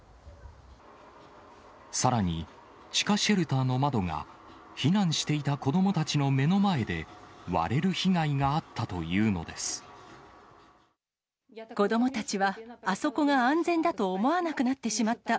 さらに、地下シェルターの窓が、避難していた子どもたちの目の前で割れる被害があったというので子どもたちは、あそこが安全だと思わなくなってしまった。